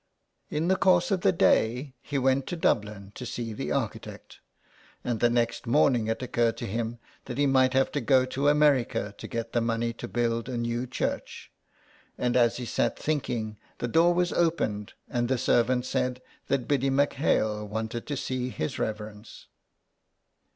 In the course of the day he went to Dublin to see the architect; and next morning it occurred to him that he might have to go to America to get the money to build a new church, and as he sat thinking the door was opened and the servant said that Biddy M'Hale wanted to see his reverence.